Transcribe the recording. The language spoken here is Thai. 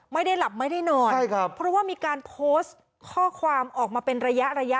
ไม่ได้หลับไม่ได้นอนใช่ครับเพราะว่ามีการโพสต์ข้อความออกมาเป็นระยะระยะ